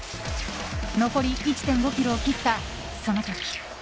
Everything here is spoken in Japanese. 残り１．５ｋｍを切ったその時。